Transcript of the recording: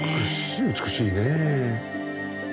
美しいねえ。